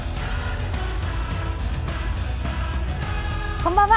こんばんは。